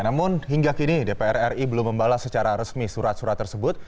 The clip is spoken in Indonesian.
namun hingga kini dpr ri belum membalas secara resmi surat surat tersebut